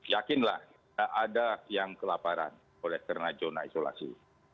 yakinlah tidak ada yang kelaparan oleh karena zona isolasi